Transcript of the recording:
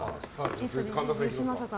続いて、神田さんいきますか。